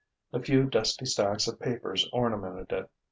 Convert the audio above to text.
A few dusty stacks of papers ornamented it.